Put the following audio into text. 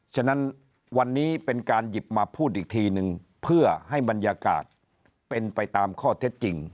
ฉะนั้นวันนี้เป็นการหยิบมาพูดอีกทีนึงเพื่อให้บรรยากาศเป็นไปตามข้อเท็จจริง